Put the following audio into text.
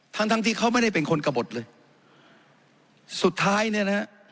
ทั้งทั้งที่เขาไม่ได้เป็นคนกระบดเลยสุดท้ายเนี่ยนะฮะ